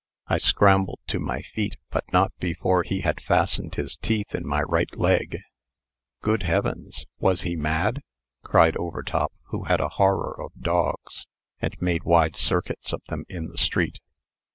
I scrambled to my feet, but not before he had fastened his teeth in my right leg " "Good heavens! was he mad?" cried Overtop, who had a horror of dogs, and made wide circuits about them in the street.